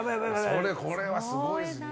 これは、すごいですね。